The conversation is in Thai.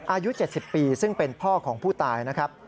อายุ๗๐ปีซึ่งเป็นพ่อของผู้ตายนะครับ